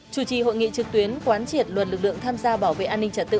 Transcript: chủ trì hội nghị trực tuyến quán triệt luật lực lượng tham gia bảo vệ an ninh trật tự